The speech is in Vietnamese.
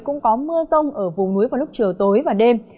cũng có mưa rông ở vùng núi vào lúc chiều tối và đêm